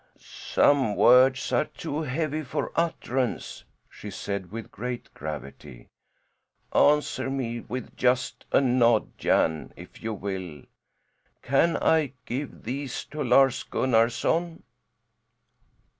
"Some words are too heavy for utterance," she said with great gravity. "Answer me with just a nod, Jan, if you will. Can I give these to Lars Gunnarson?"